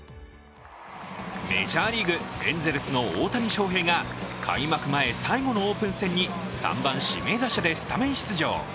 メジャーリーグ、エンゼルスの大谷翔平が開幕前最後のオープン戦に３番・指名打者にスタメン出場。